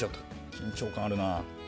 緊張感あるなあ。